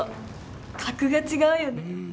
格が違うよね。